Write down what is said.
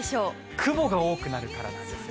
雲が多くなるからなんですね。